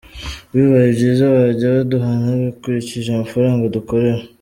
Bibaye byiza bajya baduhana bakurikije amafaranga dukorera”.